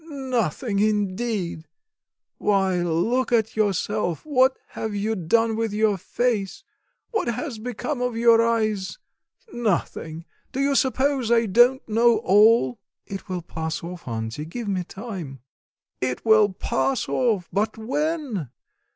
Nothing, indeed! why, look at yourself, what have you done with your face, what has become of your eyes? Nothing! do you suppose I don't know all?" "It will pass off, auntie; give me time." "It will pass off, but when?